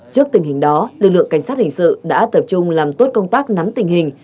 trước tình hình đó lực lượng cảnh sát hình sự đã tập trung làm tốt công tác nắm tình hình